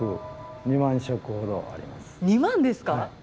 ２万ですか？